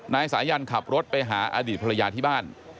นายสายันขับรถไปหาอดีตภรรยาที่บ้าน